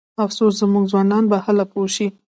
افسوس زموږ ځوانان به هله پوه شي.